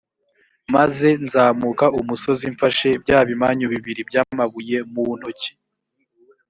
maze nzamuka umusozi mfashe bya bimanyu bibiri by’amabuye mu ntoki.